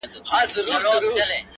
• گراني رڼا مه كوه مړ به مي كړې،